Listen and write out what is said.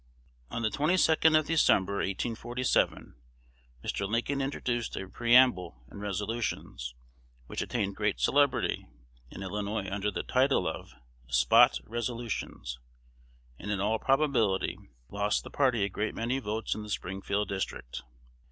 On the 22d of December, 1847, Mr. Lincoln introduced a preamble and resolutions, which attained great celebrity in Illinois under the title of "Spot Resolutions," and in all probability lost the party a great many votes in the Springfield district.